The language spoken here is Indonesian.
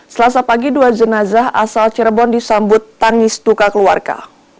selasa pagi dua jenazah asal cirebon disambut tangis duka keluarga